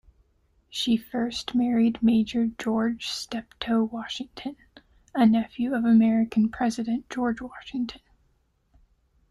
She first married Major George Steptoe Washington, a nephew of American President George Washington.